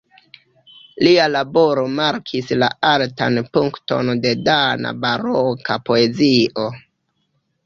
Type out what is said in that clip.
Lia laboro markis la altan punkton de dana baroka poezio.